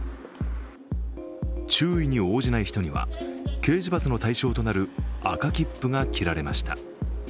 注意に応じない人には刑事罰の対象となる赤切符が切られました。